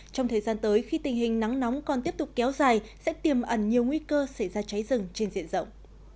trong thời gian tới khi tình hình nắng nóng còn tiếp tục kéo dài sẽ tiềm ẩn nhiều nguy cơ xảy ra cháy rừng trên diện rộng